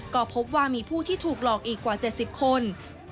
ก็พบว่ามีผู้ที่ถูกหลอกอีกกว่า๗๐คน